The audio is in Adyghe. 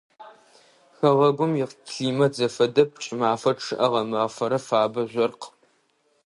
Хэгъэгум иклимат зэфэдэп: кӏымафэр чъыӏэ, гъэмафэр фабэ, жъоркъ.